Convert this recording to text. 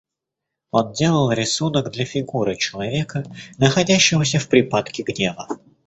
Он делал рисунок для фигуры человека, находящегося в припадке гнева.